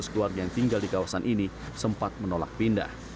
dua ratus keluarga yang tinggal di kawasan ini sempat menolak pindah